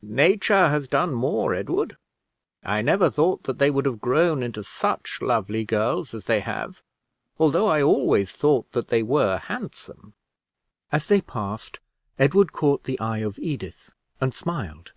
"Nature has done more, Edward. I never thought that they would have grown into such lovely girls as they have, although I always thought that they were handsome." As they passed, Edward caught the eye of Edith, and smiled.